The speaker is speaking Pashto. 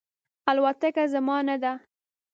الوتکه زما نه ده